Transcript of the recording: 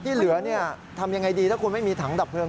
ที่เหลือทำยังไงดีถ้าคุณไม่มีถังดับเลิ